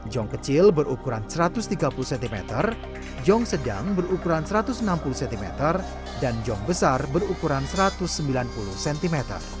jong kecil berukuran satu ratus tiga puluh cm jong sedang berukuran satu ratus enam puluh cm dan jong besar berukuran satu ratus sembilan puluh cm